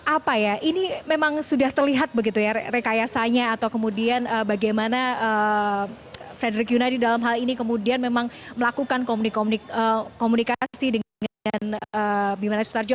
apa ya ini memang sudah terlihat begitu ya rekayasanya atau kemudian bagaimana frederick yunadi dalam hal ini kemudian memang melakukan komunikasi dengan bimane sutarjo